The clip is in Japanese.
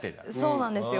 そうなんですよ。